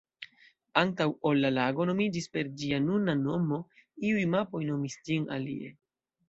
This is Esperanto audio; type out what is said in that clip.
Antaŭ ol la lago nomiĝis per ĝia nuna nomo, iuj mapoj nomis ĝin alie.